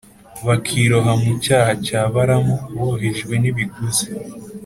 bakiroha mu cyaha cya balāmu bohejwe n’ibiguzi